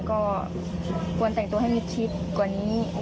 ก็ควรแต่งตัวให้มิดชิดกว่านี้